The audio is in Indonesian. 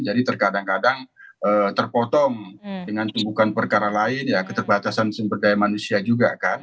jadi terkadang kadang terpotong dengan tumpukan perkara lain ya keterbatasan sumber daya manusia juga kan